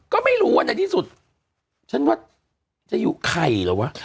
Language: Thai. ก็ไม่รู้อะในนิดสุดฉันว่าจะอยู่ไข่หรอวะ